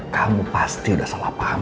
kamu pasti udah salah paham